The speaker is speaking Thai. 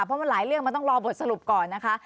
เพราะว่าหลายเรื่องมันต้องรอบทสรุปก่อนนะคะ